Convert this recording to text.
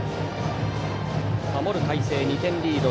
守る海星、２点リード。